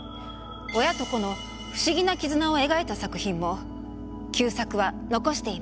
親と子の不思議な絆を描いた作品も久作は残しています。